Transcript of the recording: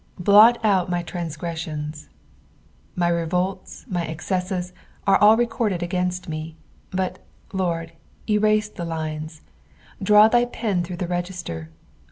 "Blot out my traat yreuunu." My revolts, my excesses, are uil recorded against me ; but, Lord, erase the lines. Draw thy pen through tho register.